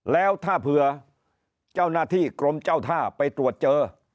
แล้วถ้าเผื่อเจ้าหน้าที่กรมเจ้าท่าไปตรวจเจอ